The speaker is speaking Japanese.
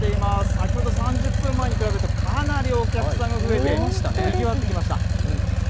先ほど３０分前に比べると、かなりお客さんが増えて、にぎわってきました。